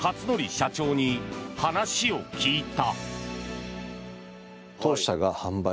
社長に話を聞いた。